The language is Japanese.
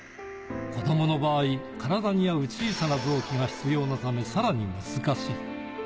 子どもの場合、体に合う小さな臓器が必要なため、さらに難しい。